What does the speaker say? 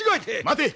待て！